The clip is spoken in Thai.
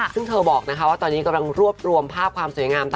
ซึ่งเธอบอกว่าตอนนี้กำลังรวบรวมภาพความสวยงาม